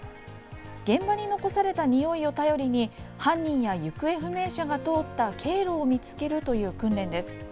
現場に残されたにおいを頼りに犯人や行方不明者が通った経路を見つけるという訓練です。